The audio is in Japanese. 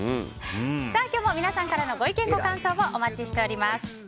さあ今日も皆さんからのご意見ご感想をお待ちしております。